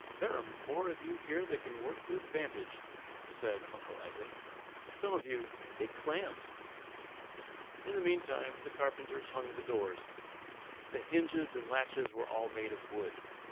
"There are more of you here than can work to advantage," said Uncle Isaac; "some of you, dig clams." In the mean time the carpenters hung the doors. The hinges and latches were all made of wood.